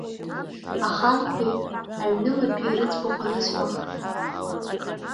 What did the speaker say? Аханқәеи аҩнымаҭәеи рыӡбахә анысҳәах…